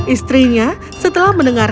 istrinya setelah menemukan mawar biru